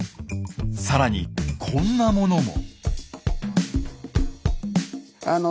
更にこんなものも。